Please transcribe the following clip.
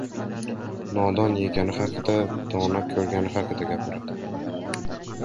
• Nodon yegani haqida, dono ko‘rgani haqida gapiradi.